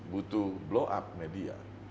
butuh blow up media